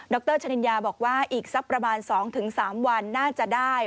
รชนิญญาบอกว่าอีกสักประมาณ๒๓วันน่าจะได้